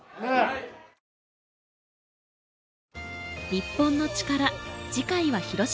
『日本のチカラ』次回は広島県。